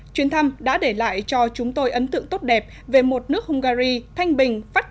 chuyến thăm đã để lại